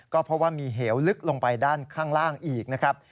ก็เพราะว่ามีเหวลึกลงไปด้านข้างล่างอีกนะครับ